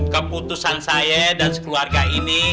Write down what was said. keputusan saya dan sekeluarga ini